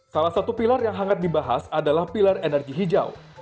salah satu pilar yang hangat dibahas adalah pilar energi hijau